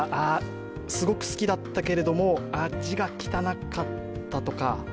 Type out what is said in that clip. すごく好きだったけども、字が汚かったとか。